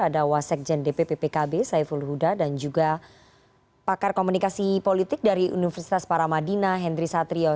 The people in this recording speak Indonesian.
ada wasekjen dpp pkb saiful huda dan juga pakar komunikasi politik dari universitas paramadina henry satrio